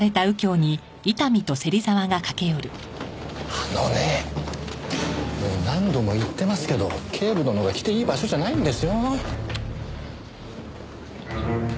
あのねもう何度も言ってますけど警部殿が来ていい場所じゃないんですよ。